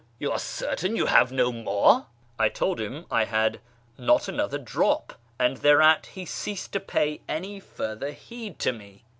You are certain you have no more ?" I told him I had not another drop, and thereat he ceased to pay any other further heed to me.